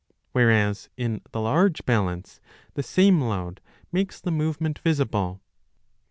Whereas in the large balance the same load makes the movement visible.